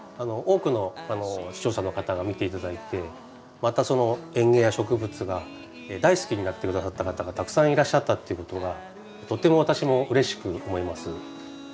多くの視聴者の方が見て頂いてまたその園芸や植物が大好きになって下さった方がたくさんいらっしゃったっていうことがとっても私もうれしく思います。